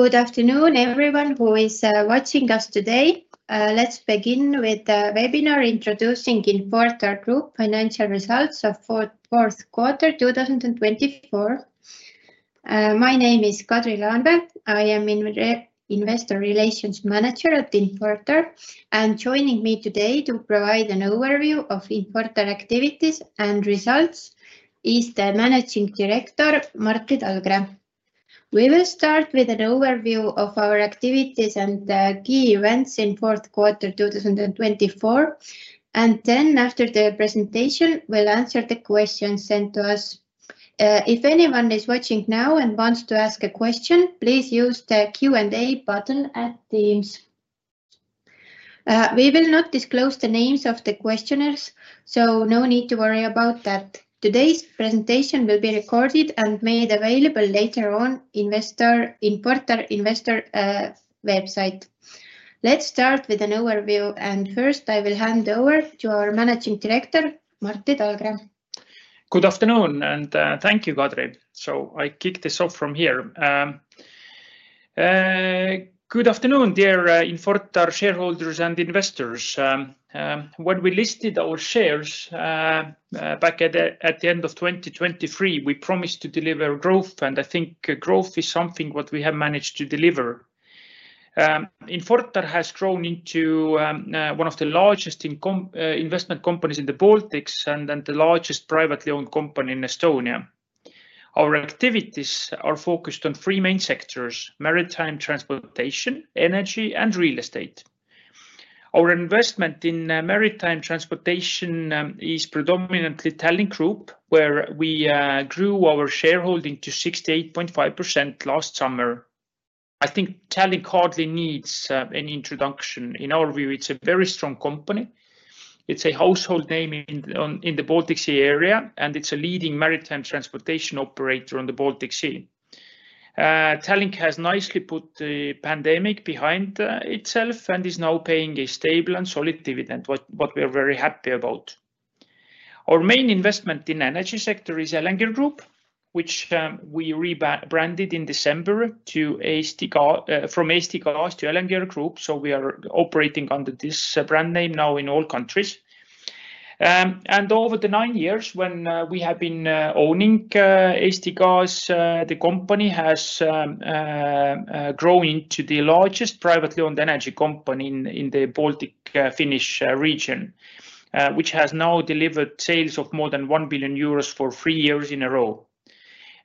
Good afternoon, everyone who is watching us today. Let's begin with the webinar introducing Infortar Group financial results of fourth quarter 2024. My name is Kadri Laanvee. I am an investor relations manager at Infortar, and joining me today to provide an overview of Infortar activities and results is the Managing Director, Martti Talgre. We will start with an overview of our activities and key events in fourth quarter 2024, and then after the presentation, we'll answer the questions sent to us. If anyone is watching now and wants to ask a question, please use the Q&A button at Teams. We will not disclose the names of the questioners, so no need to worry about that. Today's presentation will be recorded and made available later on the Infortar website. Let's start with an overview, and first I will hand over to our Managing Director, Martti Talgre. Good afternoon, and thank you, Kadri. So I kick this off from here. Good afternoon, dear Infortar shareholders and investors. When we listed our shares back at the end of 2023, we promised to deliver growth, and I think growth is something that we have managed to deliver. Infortar has grown into one of the largest investment companies in the Baltics and the largest privately owned company in Estonia. Our activities are focused on three main sectors: maritime transportation, energy, and real estate. Our investment in maritime transportation is predominantly Tallink Group, where we grew our shareholding to 68.5% last summer. I think Tallink hardly needs an introduction. In our view, it's a very strong company. It's a household name in the Baltic Sea area, and it's a leading maritime transportation operator on the Baltic Sea. Tallink has nicely put the pandemic behind itself and is now paying a stable and solid dividend, which we are very happy about. Our main investment in the energy sector is Elenger Group, which we rebranded in December from Eesti Gaas to Elenger Group, so we are operating under this brand name now in all countries, and over the nine years when we have been owning Eesti Gaas, the company has grown into the largest privately owned energy company in the Baltic-Finnish region, which has now delivered sales of more than 1 billion euros for three years in a row.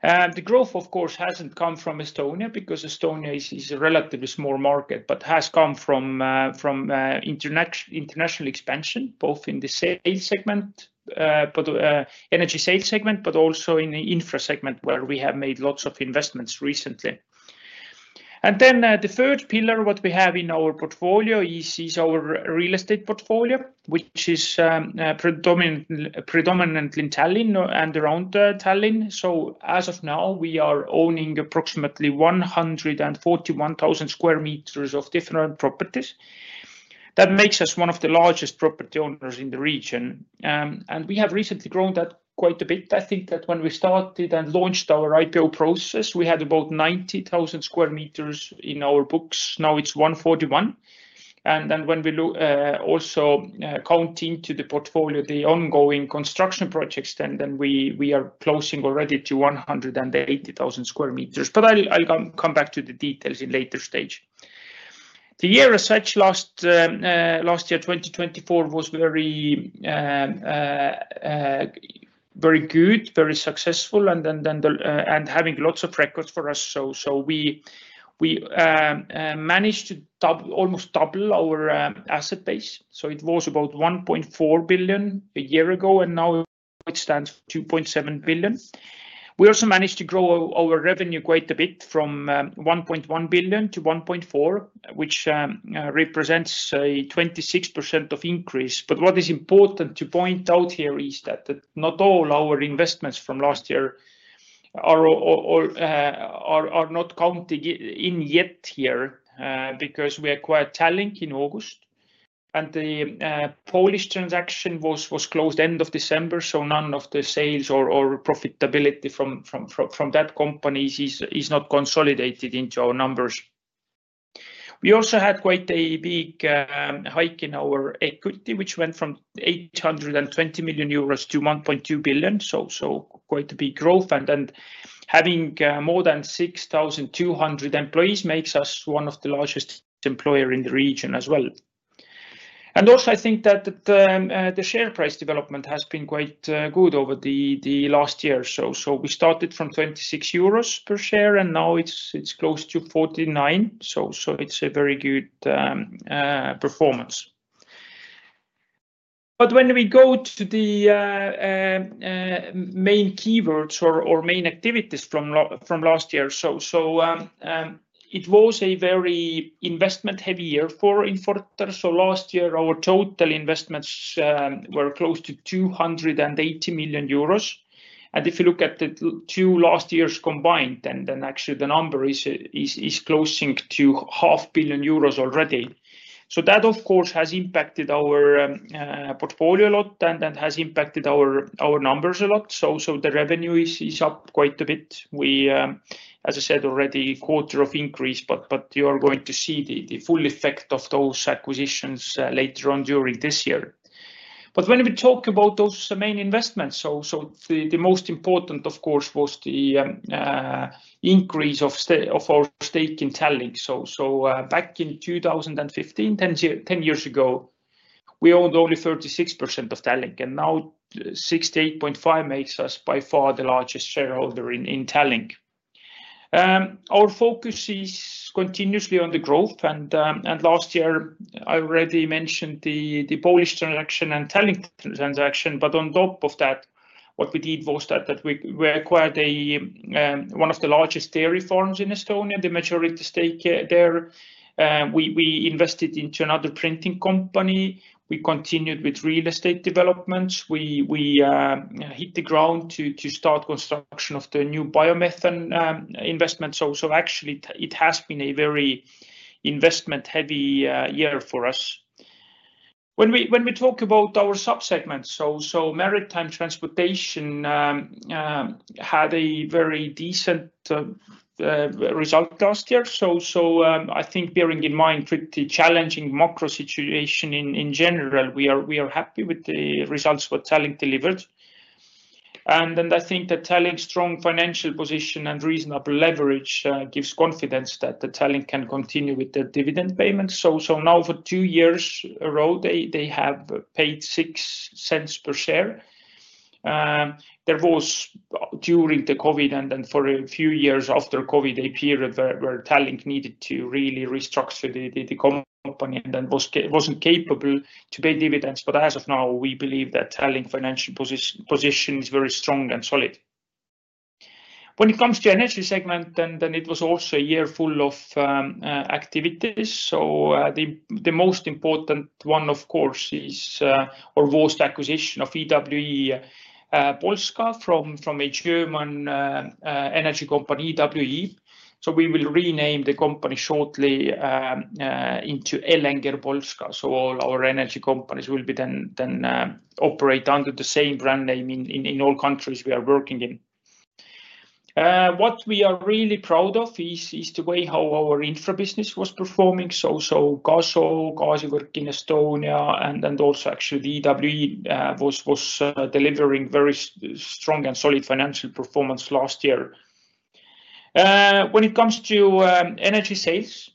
The growth, of course, hasn't come from Estonia because Estonia is a relatively small market, but has come from international expansion, both in the energy sales segment, but also in the infra segment where we have made lots of investments recently. And then the third pillar of what we have in our portfolio is our real estate portfolio, which is predominantly Tallinn and around Tallinn, so as of now, we are owning approximately 141,000 sq m of different properties. That makes us one of the largest property owners in the region, and we have recently grown that quite a bit. I think that when we started and launched our IPO process, we had about 90,000 sq m in our books. Now it's 141, and then when we also count into the portfolio the ongoing construction projects, then we are closing already to 180,000 sq m, but I'll come back to the details in a later stage. The year as such, last year, 2024, was very good, very successful, and having lots of records for us, so we managed to almost double our asset base. So it was about Euro 1.4 billion a year ago, and now it stands for Euro 2.7 billion. We also managed to grow our revenue quite a bit from Euro 1.1 billion-Euro 1.4 billion, which represents a 26% increase. But what is important to point out here is that not all our investments from last year are not counting in yet here because we acquired Tallink in August, and the Polish transaction was closed at the end of December. So none of the sales or profitability from that company is not consolidated into our numbers. We also had quite a big hike in our equity, which went from Euro 820 million-Euro 1.2 billion. So quite a big growth. And then having more than 6,200 employees makes us one of the largest employers in the region as well. I think that the share price development has been quite good over the last year. So we started from Euro 26 per share, and now it's close to Euro 49. So it's a very good performance. But when we go to the main keywords or main activities from last year, so it was a very investment-heavy year for Infortar. So last year, our total investments were close to Euro 280 million. And if you look at the two last years combined, then actually the number is close to Euro 500 million already. So that, of course, has impacted our portfolio a lot and has impacted our numbers a lot. So the revenue is up quite a bit. We, as I said already, [saw a] quarter-on-quarter increase, but you are going to see the full effect of those acquisitions later on during this year. When we talk about those main investments, the most important, of course, was the increase of our stake in Tallink. Back in 2015, 10 years ago, we owned only 36% of Tallink, and now 68.5% makes us by far the largest shareholder in Tallink. Our focus is continuously on the growth. Last year, I already mentioned the Polish transaction and Tallink transaction. On top of that, what we did was that we acquired one of the largest dairy farms in Estonia, the majority stake there. We invested into another printing company. We continued with real estate developments. We hit the ground to start construction of the new biomethane investment. Actually, it has been a very investment-heavy year for us. When we talk about our subsegments, maritime transportation had a very decent result last year. I think bearing in mind the challenging macro situation in general, we are happy with the results that Tallink delivered. I think that Tallink's strong financial position and reasonable leverage gives confidence that Tallink can continue with the dividend payments. Now for two years a row, they have paid 0.06 per share. There was, during the COVID and then for a few years after COVID, a period where Tallink needed to really restructure the company and then wasn't capable to pay dividends. But as of now, we believe that Tallink's financial position is very strong and solid. When it comes to the energy segment, then it was also a year full of activities. The most important one, of course, was the acquisition of EWE Polska from a German energy company, EWE. We will rename the company shortly into Elenger Polska. All our energy companies will then operate under the same brand name in all countries we are working in. What we are really proud of is the way how our infra business was performing. Gaso, Gaasivõrk in Estonia, and also actually EWE was delivering very strong and solid financial performance last year. When it comes to energy sales,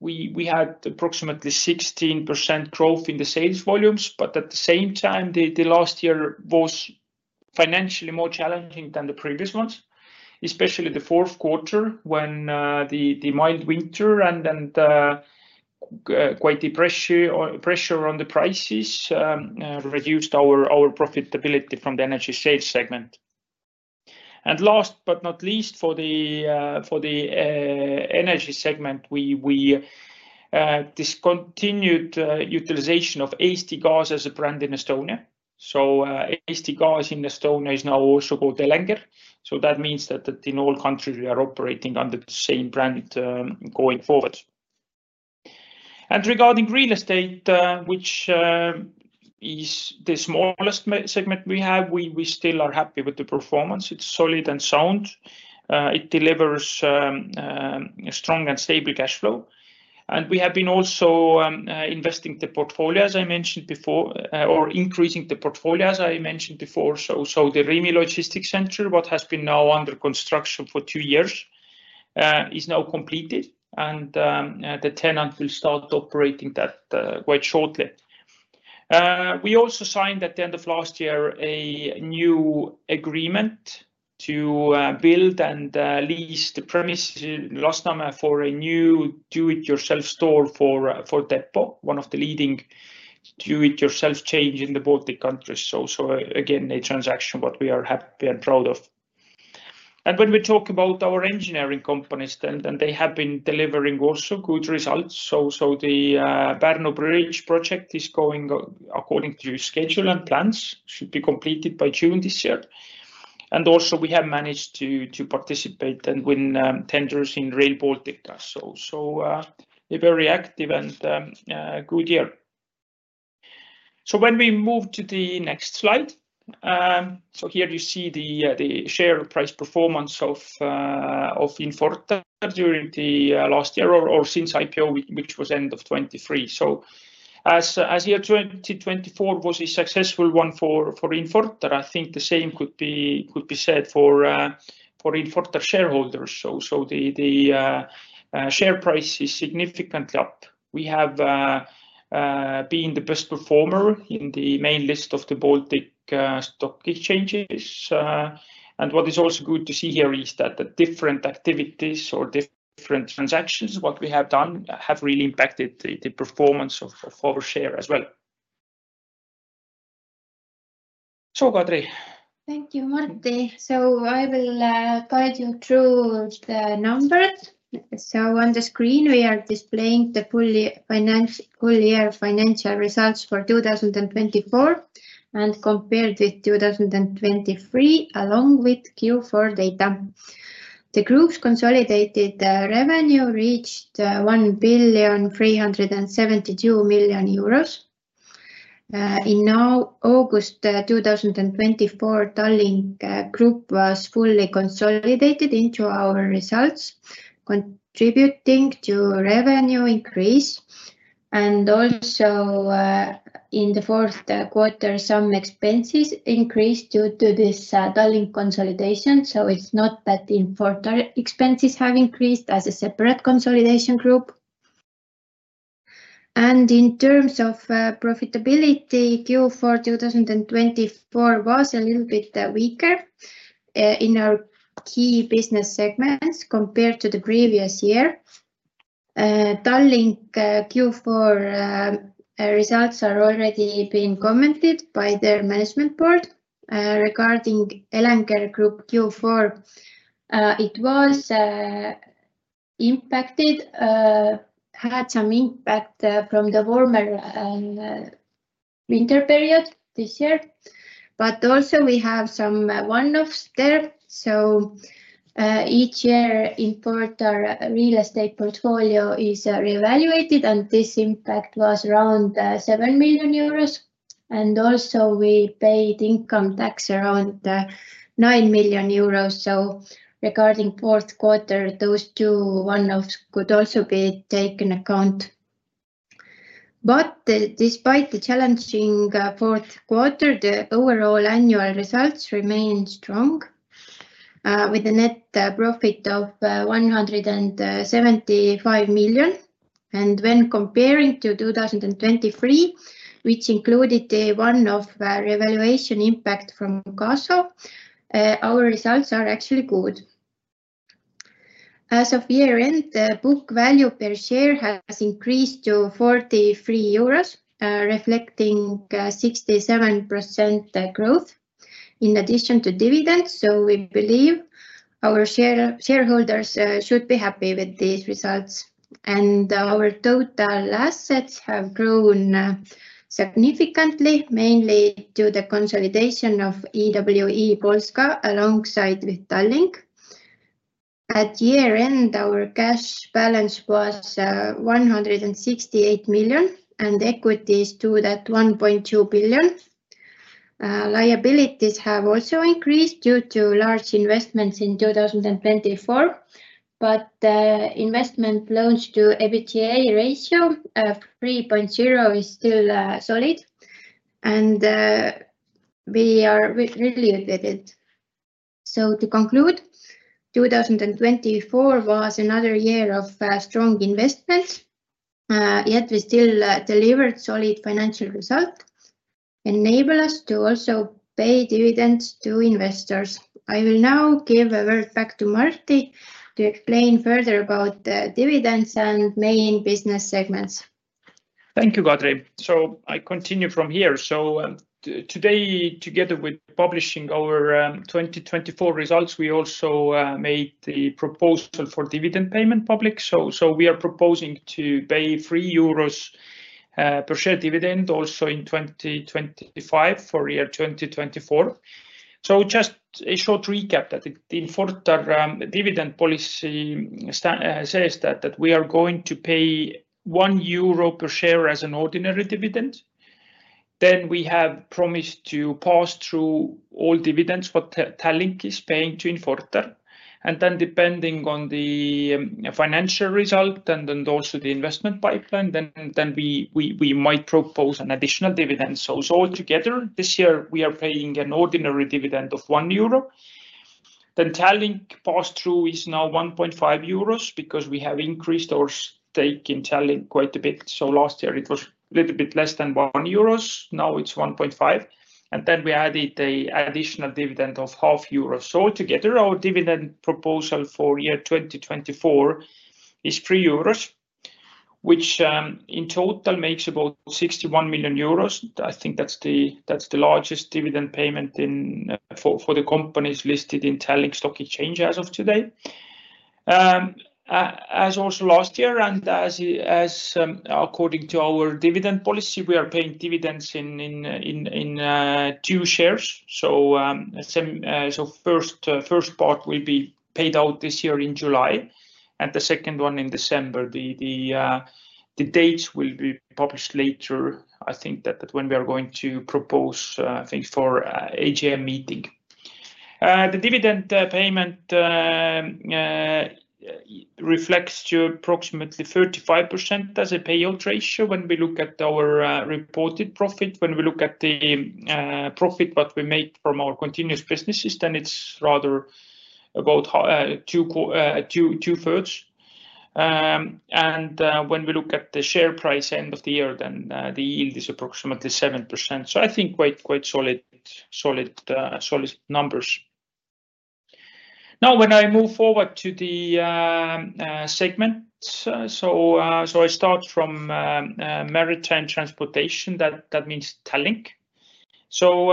we had approximately 16% growth in the sales volumes, but at the same time, the last year was financially more challenging than the previous months, especially the fourth quarter when the mild winter and quite the pressure on the prices reduced our profitability from the energy sales segment. Last but not least, for the energy segment, we discontinued utilization of Eesti Gaas as a brand in Estonia. Eesti Gaas in Estonia is now also called Elenger. That means that in all countries, we are operating under the same brand going forward. Regarding real estate, which is the smallest segment we have, we still are happy with the performance. It's solid and sound. It delivers strong and stable cash flow. We have been also investing the portfolio, as I mentioned before, or increasing the portfolio, as I mentioned before. The Rimi Logistics Center, what has been now under construction for two years, is now completed, and the tenant will start operating that quite shortly. We also signed at the end of last year a new agreement to build and lease the premises last summer for a new do-it-yourself store for Depo, one of the leading do-it-yourself chains in the Baltic countries. Again, a transaction that we are happy and proud of. And when we talk about our engineering companies, then they have been delivering also good results. So the Pärnu Bridge project is going according to schedule and plans and should be completed by June this year. And also, we have managed to participate and win tenders in Rail Baltica. So a very active and good year. So when we move to the next slide, so here you see the share price performance of Infortar during the last year or since IPO, which was end of 2023. So as year 2024 was a successful one for Infortar, I think the same could be said for Infortar shareholders. So the share price is significantly up. We have been the best performer in the main list of the Baltic stock exchanges. And what is also good to see here is that the different activities or different transactions what we have done have really impacted the performance of our share as well. So, Kadri. Thank you, Martti. So I will guide you through the numbers. So on the screen, we are displaying the full-year financial results for 2024 and compared with 2023 along with Q4 data. The group's consolidated revenue reached 1,372 million euros. In August 2024, Tallink Group was fully consolidated into our results, contributing to revenue increase. And also, in the fourth quarter, some expenses increased due to this Tallink consolidation. So it's not that Infortar expenses have increased as a separate consolidation group. And in terms of profitability, Q4 2024 was a little bit weaker in our key business segments compared to the previous year. Tallink Q4 results are already being commented by their management board. Regarding Elenger Group Q4, it was impacted, had some impact from the warmer winter period this year. But also, we have some one-offs there. So each year, Infortar's real estate portfolio is reevaluated, and this impact was around 7 million euros. And also, we paid income tax around 9 million euros. So regarding fourth quarter, those two one-offs could also be taken into account. But despite the challenging fourth quarter, the overall annual results remained strong with a net profit of 175 million. And when comparing to 2023, which included a one-off revaluation impact from Gaso, our results are actually good. As of year-end, the book value per share has increased to 43 euros, reflecting 67% growth in addition to dividends. So we believe our shareholders should be happy with these results. And our total assets have grown significantly, mainly due to the consolidation of EWE Polska alongside with Tallink. At year-end, our cash balance was 168 million, and equities to that 1.2 billion. Liabilities have also increased due to large investments in 2024. But investment loans to EBITDA ratio of 3.0 is still solid, and we are really good with it. So to conclude, 2024 was another year of strong investments. Yet we still delivered solid financial results and enabled us to also pay dividends to investors. I will now give the word back to Martti to explain further about the dividends and main business segments. Thank you, Kadri. So I continue from here. So today, together with publishing our 2024 results, we also made the proposal for dividend payment public. So we are proposing to pay 3 euros per share dividend also in 2025 for year 2024. So just a short recap that the Infortar dividend policy says that we are going to pay 1 euro per share as an ordinary dividend. Then we have promised to pass through all dividends what Tallink is paying to Infortar. And then depending on the financial result and also the investment pipeline, then we might propose an additional dividend. So altogether, this year, we are paying an ordinary dividend of 1 euro. Then Tallink pass-through is now 1.5 euros because we have increased our stake in Tallink quite a bit. So last year, it was a little bit less than 1 euros. Now it's 1.5. Then we added an additional dividend of EUR 0.50. So altogether, our dividend proposal for year 2024 is 3 euros, which in total makes about 61 million euros. I think that's the largest dividend payment for the companies listed in Tallinn Stock Exchange as of today, as also last year. According to our dividend policy, we are paying dividends in two shares. First part will be paid out this year in July and the second one in December. The dates will be published later, I think, when we are going to propose things for AGM meeting. The dividend payment reflects approximately 35% as a payout ratio when we look at our reported profit. When we look at the profit that we make from our continuous businesses, then it's rather about two-thirds. When we look at the share price end of the year, then the yield is approximately 7%. So I think quite solid numbers. Now, when I move forward to the segment, so I start from maritime transportation. That means Tallink. So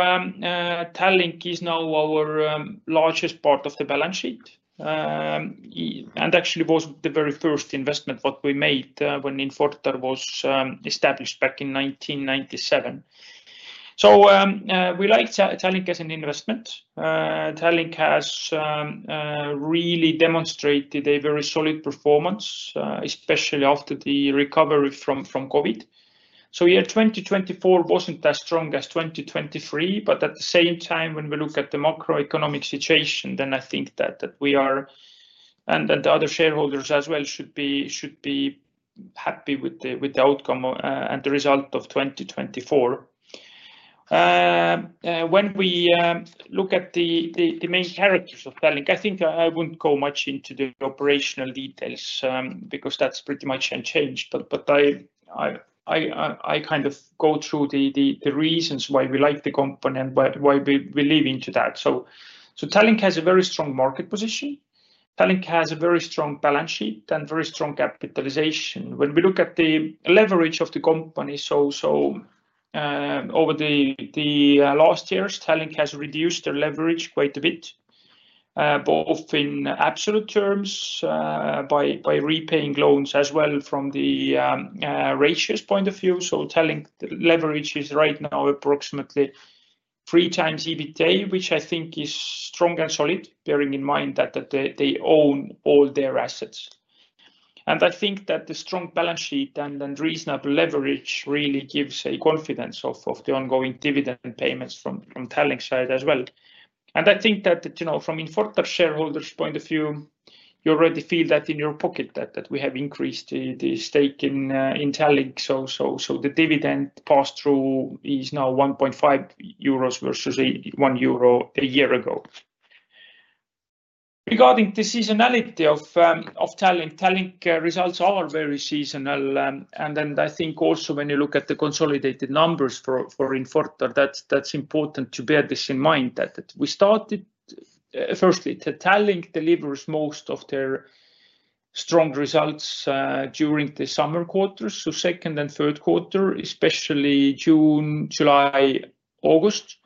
Tallink is now our largest part of the balance sheet and actually was the very first investment what we made when Infortar was established back in 1997. So we like Tallink as an investment. Tallink has really demonstrated a very solid performance, especially after the recovery from COVID. So year 2024 wasn't as strong as 2023. But at the same time, when we look at the macroeconomic situation, then I think that we are and the other shareholders as well should be happy with the outcome and the result of 2024. When we look at the main characters of Tallink, I think I won't go much into the operational details because that's pretty much unchanged. I kind of go through the reasons why we like the company and why we lean into that. Tallink has a very strong market position. Tallink has a very strong balance sheet and very strong capitalization. When we look at the leverage of the company, over the last years, Tallink has reduced their leverage quite a bit, both in absolute terms by repaying loans as well from the ratio point of view. Tallink leverage is right now approximately three times EBITDA, which I think is strong and solid, bearing in mind that they own all their assets. I think that the strong balance sheet and reasonable leverage really gives a confidence of the ongoing dividend payments from Tallink side as well. And I think that from Infortar shareholders' point of view, you already feel that in your pocket that we have increased the stake in Tallink. So the dividend pass-through is now Euro 1.5 versus Euro 1 a year ago. Regarding the seasonality of Tallink, Tallink results are very seasonal. And then I think also when you look at the consolidated numbers for Infortar, that's important to bear this in mind that we started firstly, Tallink delivers most of their strong results during the summer quarters, so second and third quarter, especially June, July, August.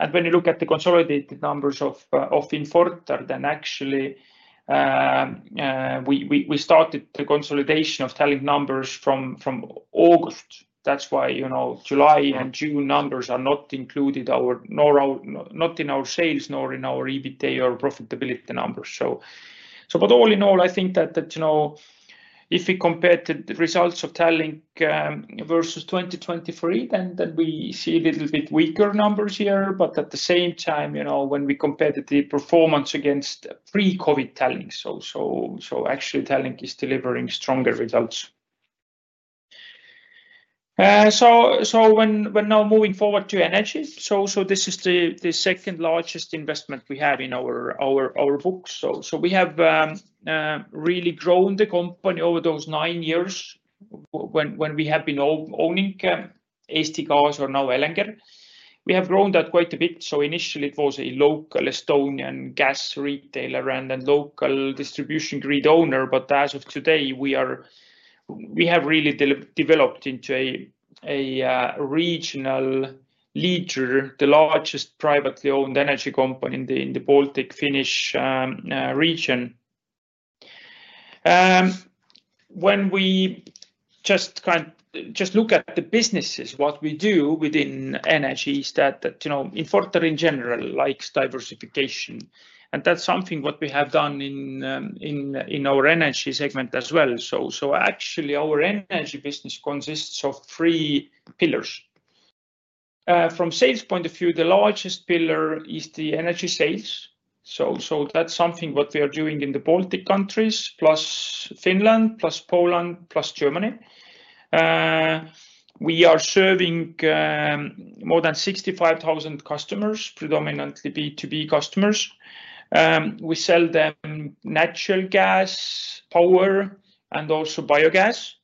And when you look at the consolidated numbers of Infortar, then actually we started the consolidation of Tallink numbers from August. That's why July and June numbers are not included in our sales nor in our EBITDA or profitability numbers. But all in all, I think that if we compare the results of Tallink versus 2023, then we see a little bit weaker numbers here. But at the same time, when we compare the performance against pre-COVID Tallink, actually Tallink is delivering stronger results. Now moving forward to energy, this is the second largest investment we have in our book. We have really grown the company over those nine years when we have been owning Eesti Gaas or now Elenger. We have grown that quite a bit. Initially, it was a local Estonian gas retailer and then local distribution grid owner. But as of today, we have really developed into a regional leader, the largest privately owned energy company in the Baltic-Finnish region. When we just look at the businesses, what we do within energy is that Infortar in general likes diversification. And that's something what we have done in our energy segment as well. So actually, our energy business consists of three pillars. From sales point of view, the largest pillar is the energy sales. So that's something what we are doing in the Baltic countries plus Finland plus Poland plus Germany. We are serving more than 65,000 customers, predominantly B2B customers. We sell them natural gas, power, and also biogas.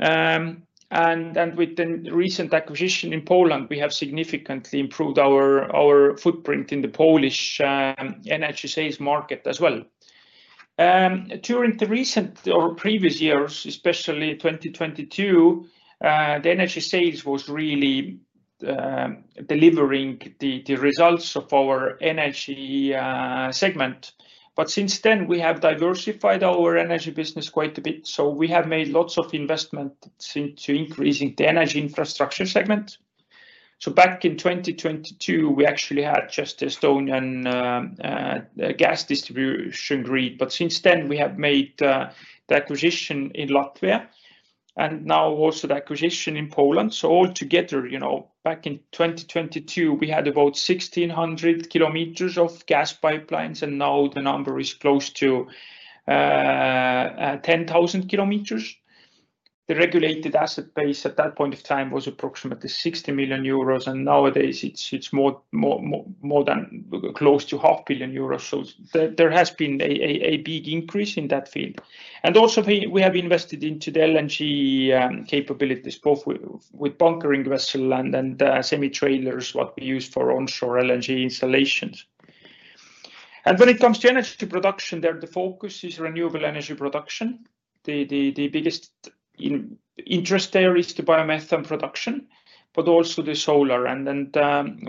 And with the recent acquisition in Poland, we have significantly improved our footprint in the Polish energy sales market as well. During the recent or previous years, especially 2022, the energy sales was really delivering the results of our energy segment. But since then, we have diversified our energy business quite a bit. So we have made lots of investments into increasing the energy infrastructure segment. So back in 2022, we actually had just the Estonian gas distribution grid. But since then, we have made the acquisition in Latvia and now also the acquisition in Poland. So altogether, back in 2022, we had about 1,600 km of gas pipelines, and now the number is close to 10,000 km. The regulated asset base at that point of time was approximately 60 million euros, and nowadays, it's more than close to 500 million euros. So there has been a big increase in that field. And also, we have invested into the LNG capabilities, both with bunkering vessel and semi-trailers, what we use for onshore LNG installations. And when it comes to energy production, the focus is renewable energy production. The biggest interest there is the biomethane production, but also the solar. And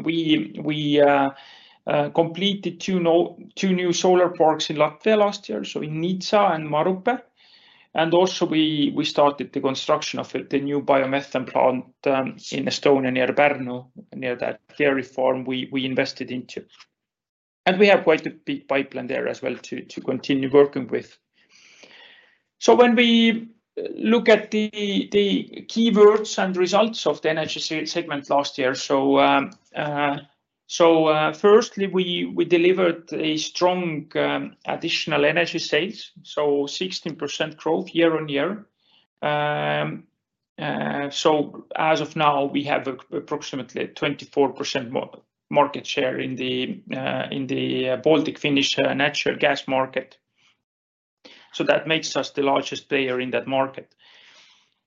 we completed two new solar parks in Latvia last year, so in Nīca and Mārupe. And also, we started the construction of the new biomethane plant in Estonia near Pärnu, near that dairy farm we invested into. And we have quite a big pipeline there as well to continue working with. So when we look at the keywords and results of the energy segment last year, so firstly, we delivered a strong additional energy sales, so 16% growth year on year. So as of now, we have approximately 24% market share in the Baltic-Finnish natural gas market. So that makes us the largest player in that market.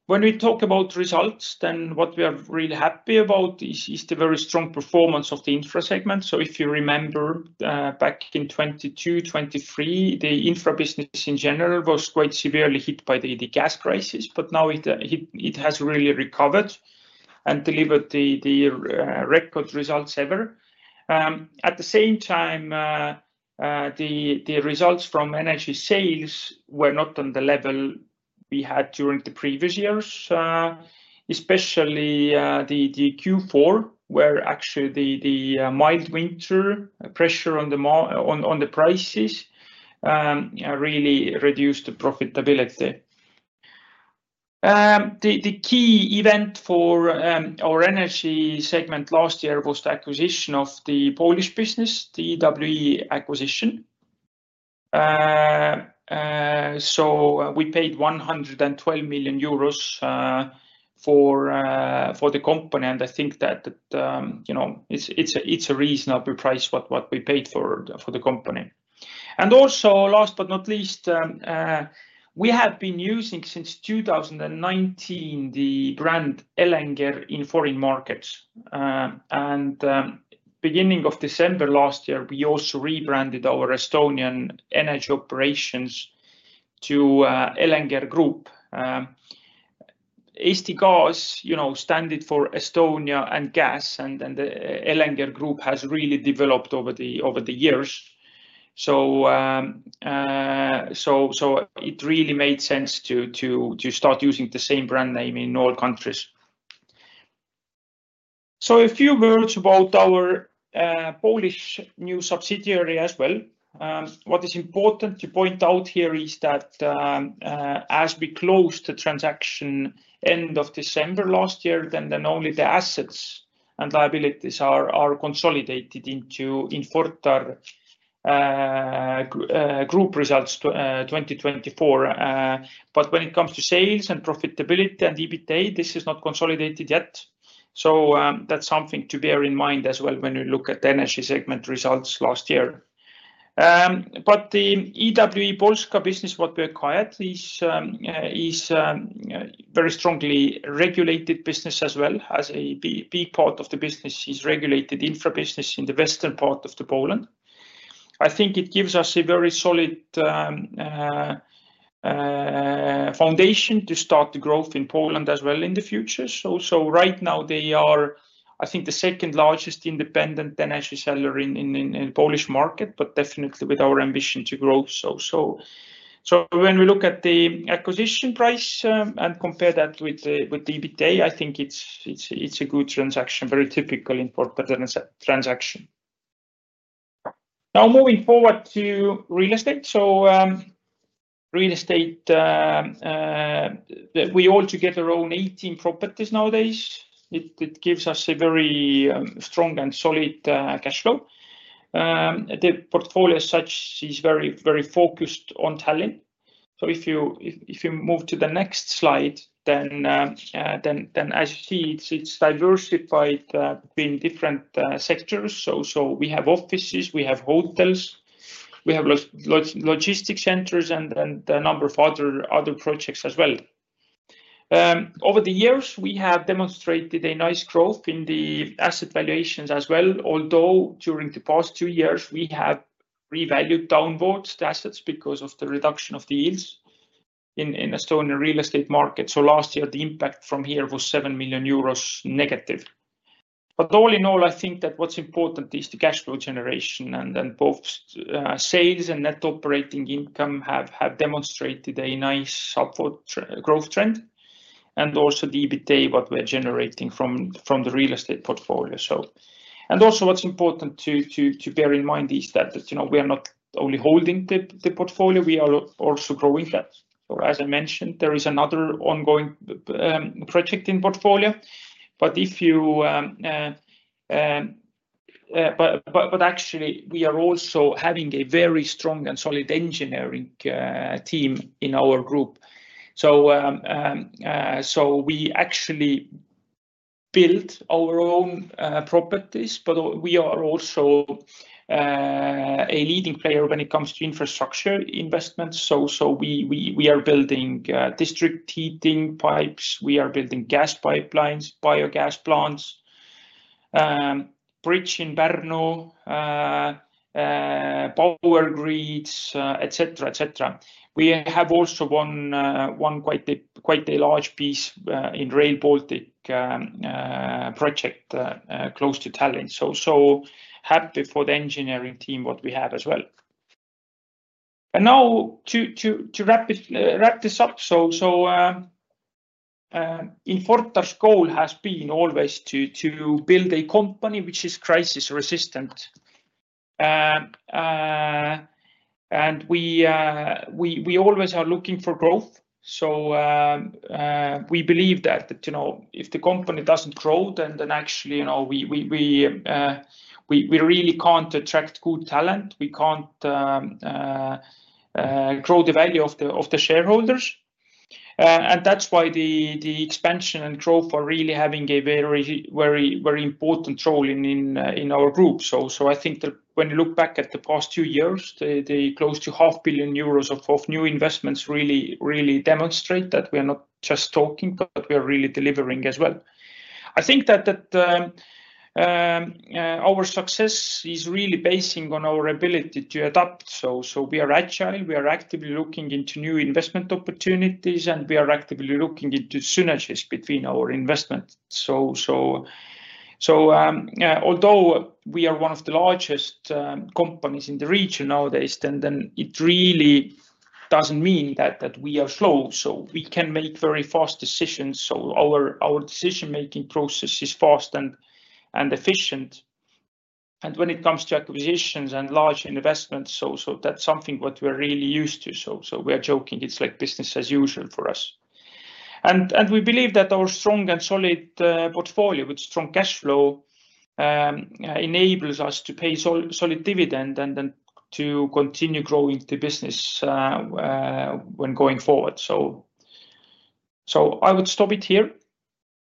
When we talk about results, then what we are really happy about is the very strong performance of the infra segment. So if you remember, back in 2022, 2023, the infra business in general was quite severely hit by the gas crisis. But now it has really recovered and delivered the record results ever. At the same time, the results from energy sales were not on the level we had during the previous years, especially the Q4, where actually the mild winter pressure on the prices really reduced the profitability. The key event for our energy segment last year was the acquisition of the Polish business, the EWE acquisition. So we paid 112 million euros for the company. And I think that it's a reasonable price what we paid for the company. And also, last but not least, we have been using since 2019 the brand Elenger in foreign markets. And beginning of December last year, we also rebranded our Estonian energy operations to Elenger Group. Eesti Gaas stands for Estonia and Gas, and the Elenger Group has really developed over the years. So it really made sense to start using the same brand name in all countries. So a few words about our Polish new subsidiary as well. What is important to point out here is that as we closed the transaction end of December last year, then only the assets and liabilities are consolidated into Infortar Group results 2024. But when it comes to sales and profitability and EBITDA, this is not consolidated yet. So that's something to bear in mind as well when we look at the energy segment results last year. But the EWE Polska business, what we acquired, is a very strongly regulated business as well. As a big part of the business is regulated infra business in the western part of Poland. I think it gives us a very solid foundation to start the growth in Poland as well in the future. So right now, they are, I think, the second largest independent energy seller in the Polish market, but definitely with our ambition to grow. So when we look at the acquisition price and compare that with the EBITDA, I think it's a good transaction, very typical Infortar transaction. Now, moving forward to real estate. So real estate, we altogether own 18 properties nowadays. It gives us a very strong and solid cash flow. The portfolio as such is very focused on Tallink. So if you move to the next slide, then as you see, it's diversified between different sectors. So we have offices, we have hotels, we have logistics centers, and a number of other projects as well. Over the years, we have demonstrated a nice growth in the asset valuations as well, although during the past two years, we have revalued downwards the assets because of the reduction of the yields in Estonian real estate market, so last year, the impact from here was Euro 7 million negative, but all in all, I think that what's important is the cash flow generation, and both sales and net operating income have demonstrated a nice growth trend, and also the EBITDA what we're generating from the real estate portfolio, and also what's important to bear in mind is that we are not only holding the portfolio, we are also growing that, so as I mentioned, there is another ongoing project in portfolio, but actually, we are also having a very strong and solid engineering team in our group. So we actually built our own properties, but we are also a leading player when it comes to infrastructure investments. So we are building district heating pipes, we are building gas pipelines, biogas plants, bridge in Pärnu, power grids, etc., etc. We have also won quite a large piece in Rail Baltica project close to Tallink. So happy for the engineering team what we have as well. And now to wrap this up, so Infortar's goal has been always to build a company which is crisis resistant. And we always are looking for growth. So we believe that if the company doesn't grow, then actually we really can't attract good talent, we can't grow the value of the shareholders. And that's why the expansion and growth are really having a very, very important role in our group. So I think that when you look back at the past two years, the close to Euro 500 million of new investments really demonstrate that we are not just talking, but we are really delivering as well. I think that our success is really basing on our ability to adapt. So we are agile, we are actively looking into new investment opportunities, and we are actively looking into synergies between our investments. So although we are one of the largest companies in the region nowadays, then it really doesn't mean that we are slow. So we can make very fast decisions. So our decision-making process is fast and efficient. And when it comes to acquisitions and large investments, so that's something what we are really used to. So we are joking, it's like business as usual for us. We believe that our strong and solid portfolio with strong cash flow enables us to pay solid dividend and then to continue growing the business when going forward. I would stop it here.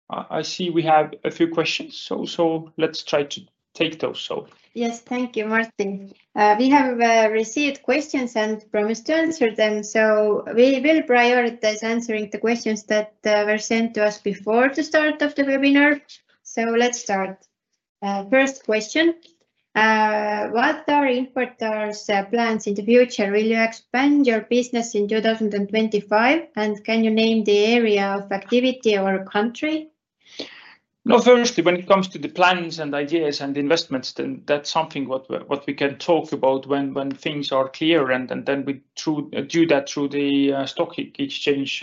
I see we have a few questions, so let's try to take those. Yes, thank you, Martti. We have received questions and promised to answer them. We will prioritize answering the questions that were sent to us before the start of the webinar. Let's start. First question. What are Infortar's plans in the future? Will you expand your business in 2025? And can you name the area of activity or country? No, firstly, when it comes to the plans and ideas and investments, then that's something what we can talk about when things are clear, and then we do that through the stock exchange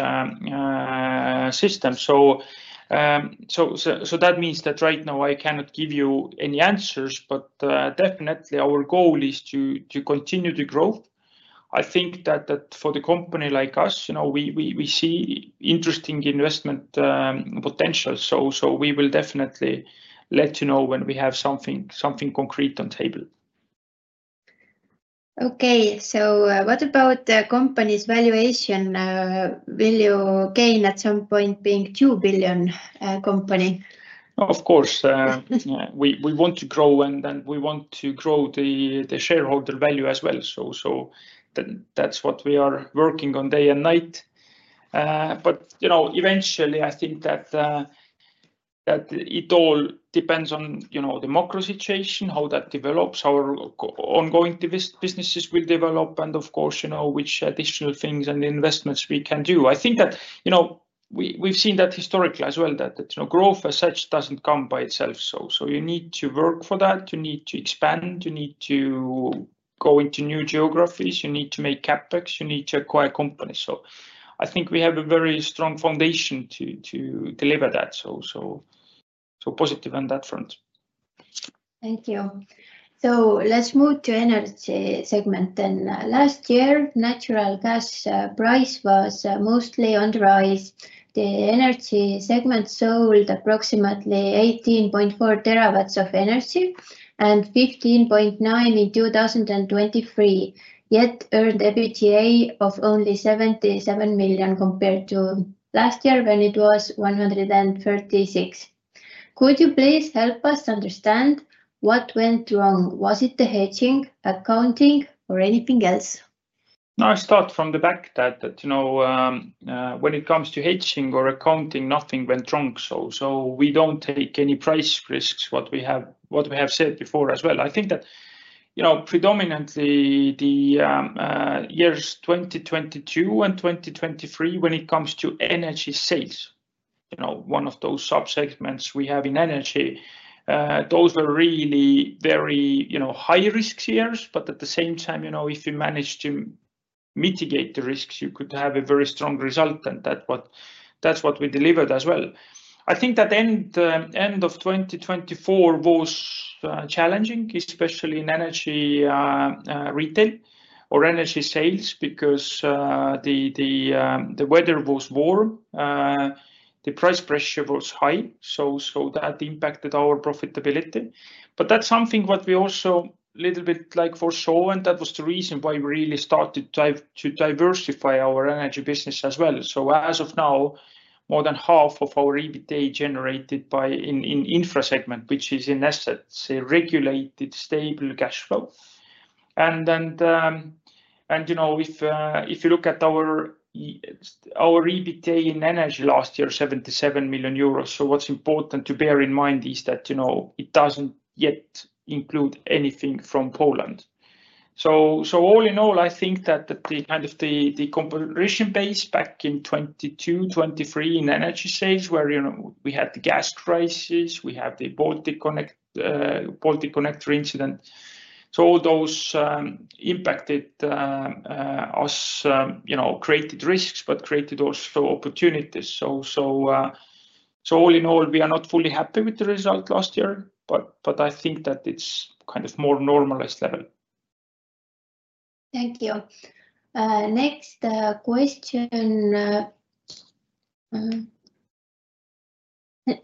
system. So that means that right now, I cannot give you any answers, but definitely, our goal is to continue to grow. I think that for the company like us, we see interesting investment potential. So we will definitely let you know when we have something concrete on the table. Okay. So what about the company's valuation? Will you gain at some point being Euro 2 billion company? Of course. We want to grow, and we want to grow the shareholder value as well. So that's what we are working on day and night. But eventually, I think that it all depends on the macro situation, how that develops, how ongoing businesses will develop, and of course, which additional things and investments we can do. I think that we've seen that historically as well, that growth as such doesn't come by itself. So you need to work for that, you need to expand, you need to go into new geographies, you need to make CapEx, you need to acquire companies. So I think we have a very strong foundation to deliver that. So positive on that front. Thank you. So let's move to energy segment then. Last year, natural gas price was mostly underpriced. The energy segment sold approximately 18.4 TWh of energy and 15.9 TWh in 2023, yet earned EBITDA of only Euro 77 million compared to last year when it was Euro 136. Could you please help us understand what went wrong? Was it the hedging, accounting, or anything else? No, I start from the back that when it comes to hedging or accounting, nothing went wrong. So we don't take any price risks, what we have said before as well. I think that predominantly the years 2022 and 2023, when it comes to energy sales, one of those subsegments we have in energy, those were really very high-risk years. But at the same time, if you managed to mitigate the risks, you could have a very strong result. And that's what we delivered as well. I think that end of 2024 was challenging, especially in energy retail or energy sales because the weather was warm, the price pressure was high. So that impacted our profitability. But that's something what we also a little bit foresaw, and that was the reason why we really started to diversify our energy business as well. So as of now, more than half of our EBITDA generated in infra segment, which is in assets, a regulated stable cash flow. And if you look at our EBITDA in energy last year, 77 million euros. So, what's important to bear in mind is that it doesn't yet include anything from Poland. So all in all, I think that kind of the comparison base back in 2022, 2023 in energy sales where we had the gas crisis, we had the Balticconnector incident. So all those impacted us, created risks, but created also opportunities. So all in all, we are not fully happy with the result last year, but I think that it's kind of more normalized level. Thank you. Next question.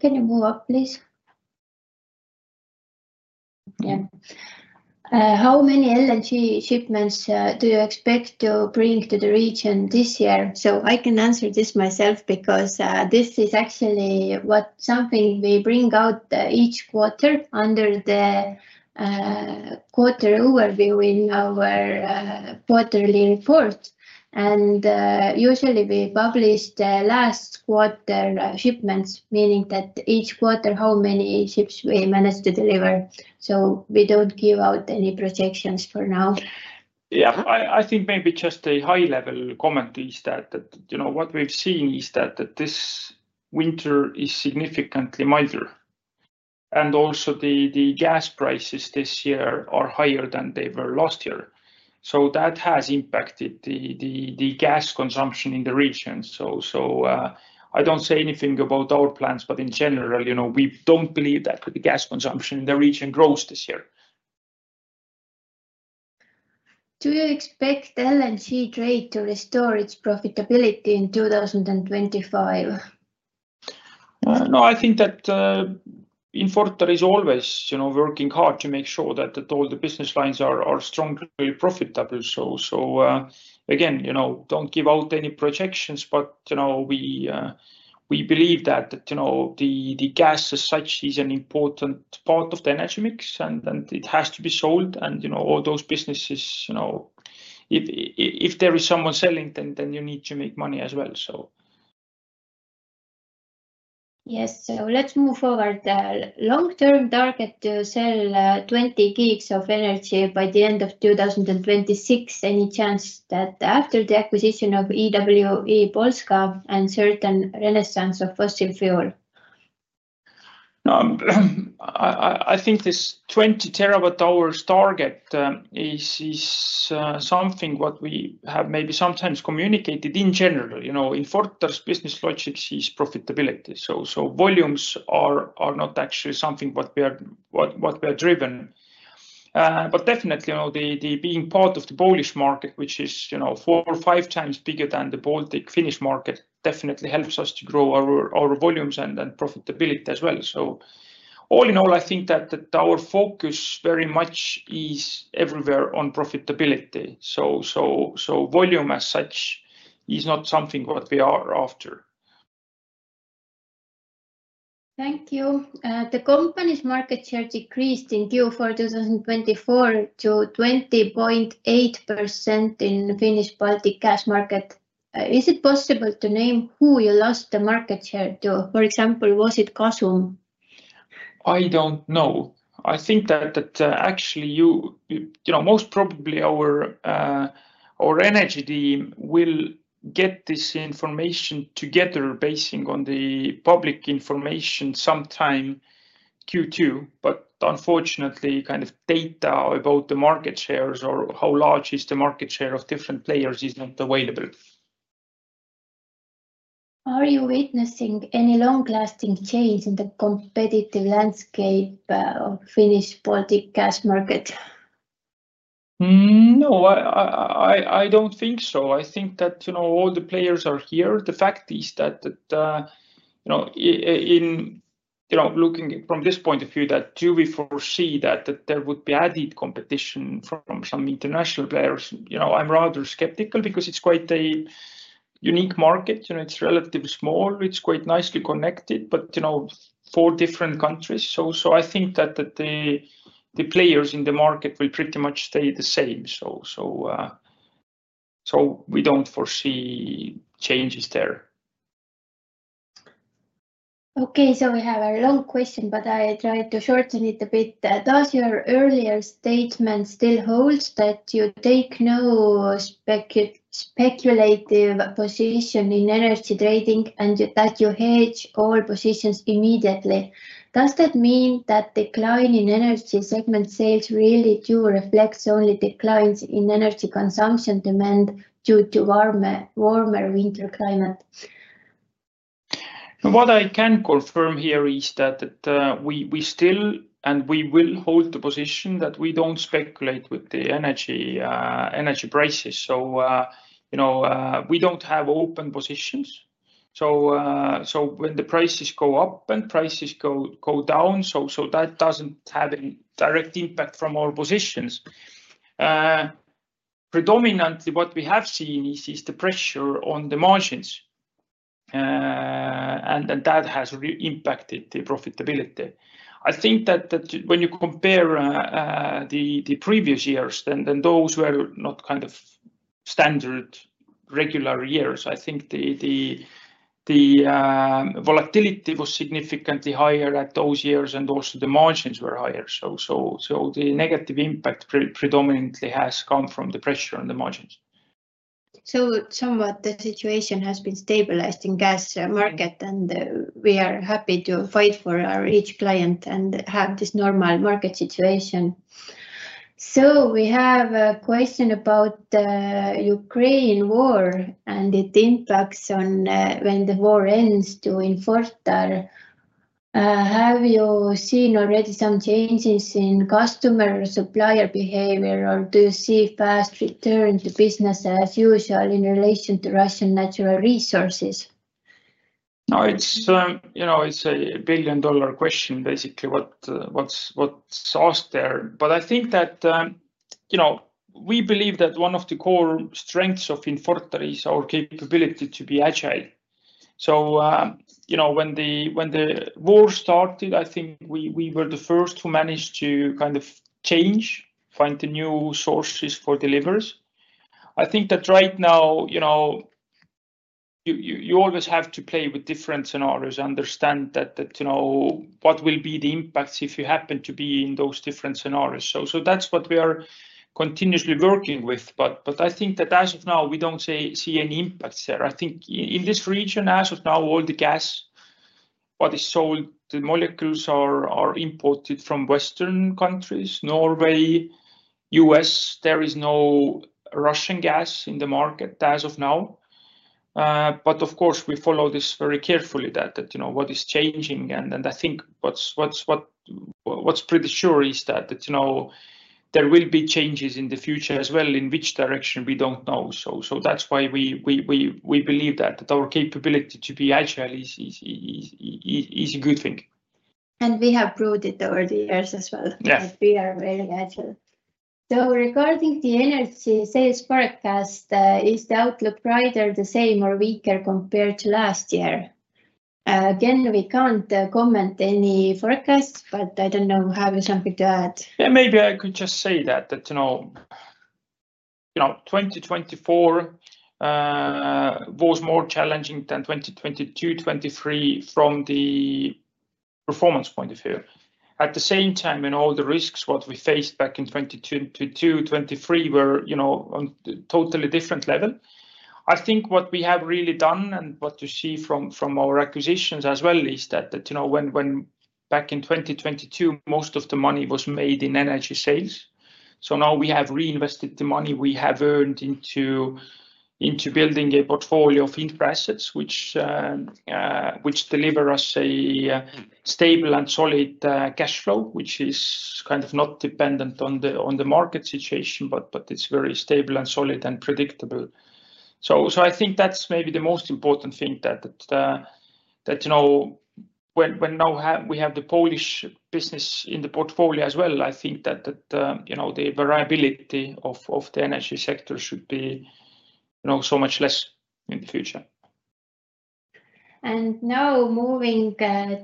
Can you move up, please? Yeah. How many LNG shipments do you expect to bring to the region this year? So I can answer this myself because this is actually something we bring out each quarter under the quarter overview in our quarterly report. And usually, we publish the last quarter shipments, meaning that each quarter how many ships we managed to deliver. So we don't give out any projections for now. Yeah. I think maybe just a high-level comment is that what we've seen is that this winter is significantly milder. And also the gas prices this year are higher than they were last year. So that has impacted the gas consumption in the region. So I don't say anything about our plans, but in general, we don't believe that the gas consumption in the region grows this year. Do you expect LNG trade to restore its profitability in 2025? No, I think that Infortar is always working hard to make sure that all the business lines are strongly profitable. So again, don't give out any projections, but we believe that the gas as such is an important part of the energy mix, and it has to be sold. All those businesses, if there is someone selling, then you need to make money as well. Yes. So let's move forward. Long-term target to sell 20 GWh of energy by the end of 2026. Any chance that after the acquisition of EWE Polska and certain renaissance of fossil fuel? I think this 20 GWh target is something what we have maybe sometimes communicated in general. Infortar's business logic is profitability. So volumes are not actually something what we are driven. But definitely, being part of the Polish market, which is four or five times bigger than the Baltic-Finnish market, definitely helps us to grow our volumes and profitability as well. So all in all, I think that our focus very much is everywhere on profitability. So volume as such is not something what we are after. Thank you. The company's market share decreased in Q4 2024 to 20.8% in Finnish Baltic gas market. Is it possible to name who you lost the market share to? For example, was it Gasum? I don't know. I think that actually most probably our energy team will get this information together based on the public information sometime Q2. But unfortunately, kind of data about the market shares or how large is the market share of different players is not available. Are you witnessing any long-lasting change in the competitive landscape of Finnish Baltic gas market? No, I don't think so. I think that all the players are here. The fact is that in looking from this point of view, that do we foresee that there would be added competition from some international players? I'm rather skeptical because it's quite a unique market. It's relatively small. It's quite nicely connected, but four different countries. So I think that the players in the market will pretty much stay the same. So we don't foresee changes there. Okay. So we have a long question, but I try to shorten it a bit. Does your earlier statement still hold that you take no speculative position in energy trading and that you hedge all positions immediately? Does that mean that decline in energy segment sales really do reflect only declines in energy consumption demand due to warmer winter climate? What I can confirm here is that we still and we will hold the position that we don't speculate with the energy prices. So we don't have open positions. So when the prices go up and prices go down, so that doesn't have a direct impact from our positions. Predominantly, what we have seen is the pressure on the margins, and that has impacted the profitability. I think that when you compare the previous years, then those were not kind of standard regular years. I think the volatility was significantly higher at those years, and also the margins were higher. So the negative impact predominantly has come from the pressure on the margins. So somewhat the situation has been stabilized in the gas market, and we are happy to fight for our each client and have this normal market situation. So we have a question about the Ukraine war and its impacts on when the war ends to Infortar. Have you seen already some changes in customer or supplier behavior, or do you see fast return to business as usual in relation to Russian natural resources? No, it's a billion-dollar question, basically what's asked there. But I think that we believe that one of the core strengths of Infortar is our capability to be agile. So when the war started, I think we were the first who managed to kind of change, find the new sources for deliveries. I think that right now, you always have to play with different scenarios, understand what will be the impacts if you happen to be in those different scenarios. So that's what we are continuously working with. But I think that as of now, we don't see any impacts there. I think in this region, as of now, all the gas, what is sold, the molecules are imported from Western countries, Norway, U.S. There is no Russian gas in the market as of now. But of course, we follow this very carefully, that what is changing. I think what's pretty sure is that there will be changes in the future as well in which direction. We don't know. That's why we believe that our capability to be agile is a good t hing. We have proved it over the years as well that we are very agile. Regarding the energy sales forecast, is the outlook brighter, the same, or weaker compared to last year? Again, we can't comment any forecasts, but I don't know. Have you something to add? Maybe I could just say that 2024 was more challenging than 2022, 2023 from the performance point of view. At the same time, all the risks what we faced back in 2022, 2023 were on totally different level. I think what we have really done and what you see from our acquisitions as well is that when back in 2022, most of the money was made in energy sales. So now we have reinvested the money we have earned into building a portfolio of interests, which deliver us a stable and solid cash flow, which is kind of not dependent on the market situation, but it's very stable and solid and predictable. So I think that's maybe the most important thing that when we have the Polish business in the portfolio as well, I think that the variability of the energy sector should be so much less in the future. And now moving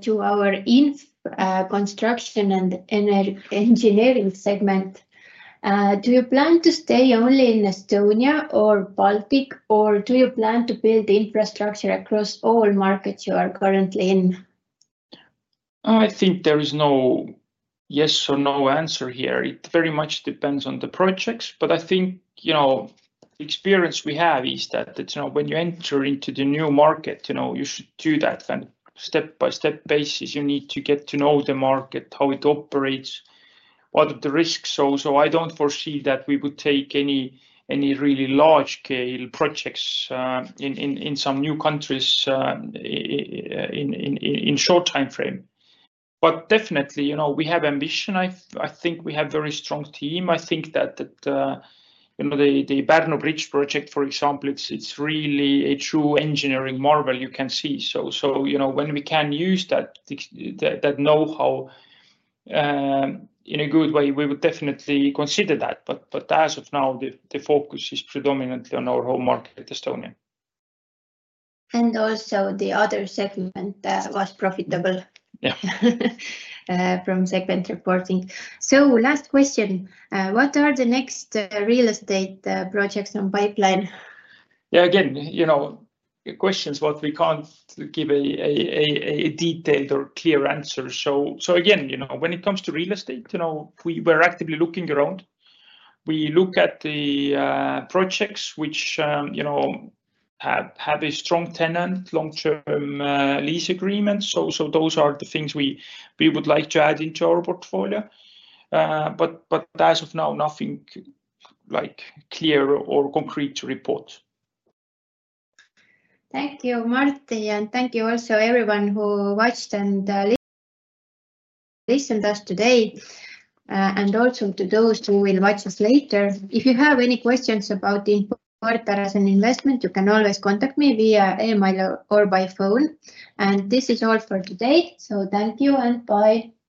to our construction and engineering segment, do you plan to stay only in Estonia or Baltics, or do you plan to build infrastructure across all markets you are currently in? I think there is no yes or no answer here. It very much depends on the projects. But I think the experience we have is that when you enter into the new market, you should do that on a step-by-step basis. You need to get to know the market, how it operates, what are the risks. So I don't foresee that we would take any really large-scale projects in some new countries in a short time frame. But definitely, we have ambition. I think we have a very strong team. I think that the Pärnu bridge project, for example, it's really a true engineering marvel you can see. So when we can use that know-how in a good way, we would definitely consider that. But as of now, the focus is predominantly on our home market, Estonia. And also the other segment that was profitable from segment reporting. So last question. What are the next real estate projects in the pipeline? Yeah. Again, questions what we can't give a detailed or clear answer. So again, when it comes to real estate, we were actively looking around. We look at the projects which have a strong tenant, long-term lease agreements. So those are the things we would like to add into our portfolio. But as of now, nothing clear or concrete to report. Thank you, Martti, and thank you also everyone who watched and listened to us today, and also to those who will watch us later. If you have any questions about Infortar as an investment, you can always contact me via email or by phone. This is all for today. Thank you and bye.